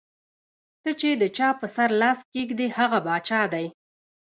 ته چې د چا پۀ سر لاس کېږدې ـ هغه باچا دے ـ